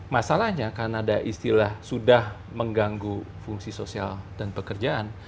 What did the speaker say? masalahnya karena ada istilah sudah mengganggu fungsi sosial dan pekerjaan